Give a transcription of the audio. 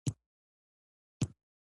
د کیک بوکسینګ سیالۍ هم کیږي.